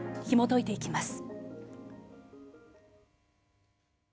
ひもといていきます。